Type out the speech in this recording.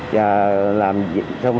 tới tháng bốn